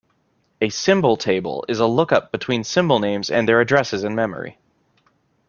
A symbol table is a look-up between symbol names and their addresses in memory.